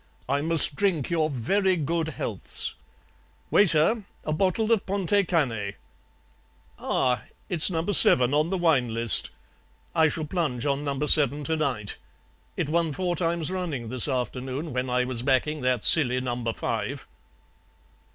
I must drink your very good healths. Waiter, a bottle of PONTET CANET. Ah, it's number seven on the wine list; I shall plunge on number seven to night. It won four times running this afternoon when I was backing that silly number five.'